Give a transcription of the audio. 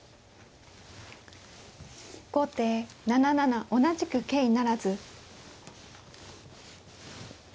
後手７七同じく桂不成。